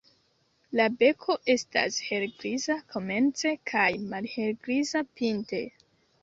La beko estas helgriza komence kaj malhelgriza pinte.